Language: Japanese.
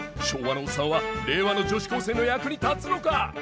昭和のオッサンは令和の女子高生の役に立つのか！？